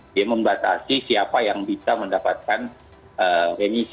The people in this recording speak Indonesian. dia membatasi siapa yang bisa mendapatkan remisi